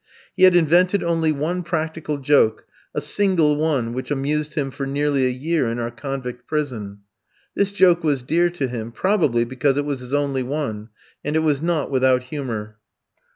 He had invented only one practical joke, a single one which amused him for nearly a year in our convict prison. This joke was dear to him, probably, because it was his only one, and it was not without humour.